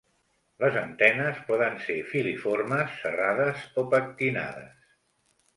Les antenes poden ser filiformes, serrades o pectinades.